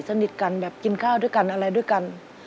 สนิทกันแบบกินข้าวด้วยกันอะไรด้วยกัน